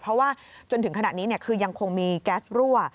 เพราะว่าจนถึงขณะนี้คือยังคงมีแก๊สรั่ว